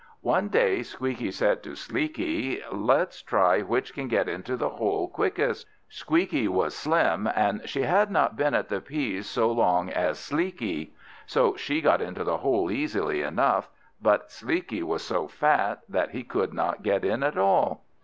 One day Squeakie said to Sleekie, "Let's try which can get into the hole quickest." Squeakie was slim, and she had not been at the peas so long as Sleekie, so she got into the hole easily enough; but Sleekie was so fat that he could not get in at all.